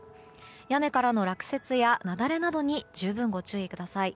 屋根からの落雪や雪崩などに十分ご注意ください。